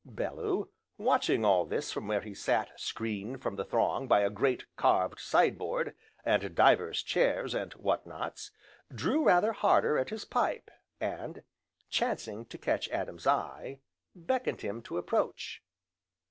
Bellew, watching all this from where he sat screened from the throng by a great carved sideboard, and divers chairs, and whatnots, drew rather harder at his pipe, and, chancing to catch Adam's eye, beckoned him to approach.